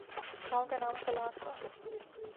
گاؤں کا نام کلاں تھا ۔